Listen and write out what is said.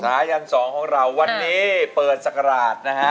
ส่าญัค๒ของเราวันนี้เปิดสกราดนะฮะ